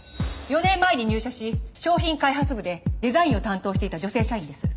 ４年前に入社し商品開発部でデザインを担当していた女性社員です。